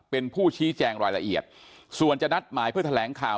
เป็นผู้ชี้แจงรายละเอียดส่วนจะนัดหมายเพื่อแถลงข่าว